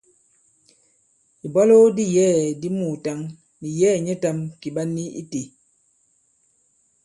Ìbwalo di yɛ̌ɛ̀ di muùtǎŋ nì yɛ̌ɛ̀ nyɛtām kì ɓa ni itē.